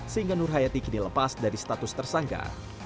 sehingga nur hayati kini lepas dari status tersangka